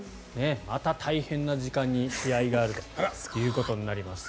また大変な時間に試合があるということになります。